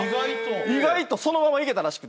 意外とそのままいけたらしくて。